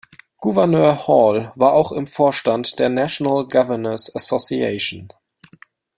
Gouverneur Hall war auch im Vorstand der National Governors Association.